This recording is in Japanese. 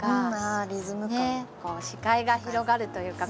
こう視界が広がるというか。